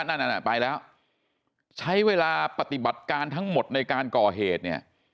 นั่นนั่นไปแล้วใช้เวลาปฏิบัติการทั้งหมดในการก่อเหตุเนี่ย